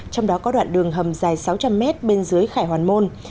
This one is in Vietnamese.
trong đó có đoạn đường hầm dài sáu trăm linh mét bên dưới khải hoàn môn